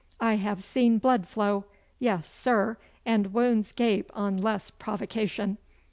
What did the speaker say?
I have seen blood flow, yes, sir, and wounds gape on less provocation.